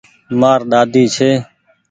مآر ۮاۮي ڇي۔